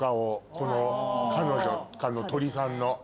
この彼女鳥さんの。